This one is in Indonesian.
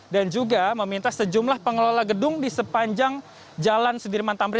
dan juga meminta sejumlah pengelola gedung di sepanjang jalan sedirman tamrin